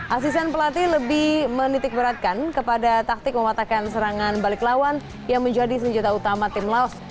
asisten pelatih lebih menitikberatkan kepada taktik mematakan serangan balik lawan yang menjadi senjata utama tim laos